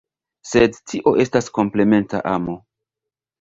Sed tio estas komplementa amo.